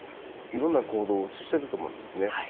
いろんな行動をしていると思うんですね。